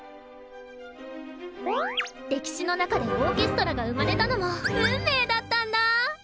歴史の中でオーケストラが生まれたのも運命だったんだ。